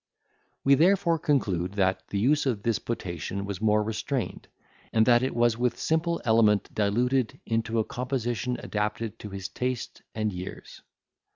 We therefore conclude that the use of this potation was more restrained, and that it was with simple element diluted into a composition adapted to his taste and years.